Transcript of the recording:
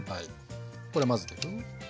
これ混ぜていくよ。